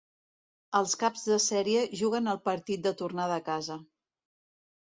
Els caps de sèrie juguen el partit de tornada a casa.